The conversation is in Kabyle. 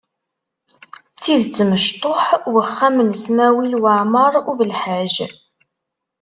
D tidet, mecṭuḥ uxxam n Smawil Waɛmaṛ U Belḥaǧ.